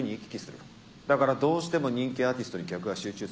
だからどうしても人気アーティストに客が集中する。